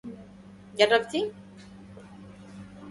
يجب أن تستمع إليّ.